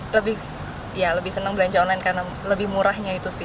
lebih ya lebih senang belanja online karena lebih murahnya itu sih